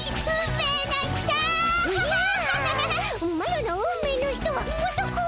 マロの運命の人はもっとこう。